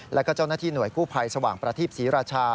แล้วก็เจ้าหน้าที่หน่วยกู้ภัยสว่างประทีปศรีราชา